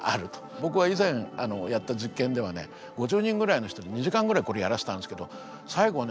僕が以前やった実験ではね５０人ぐらいの人に２時間ぐらいこれやらせたんですけど最後はね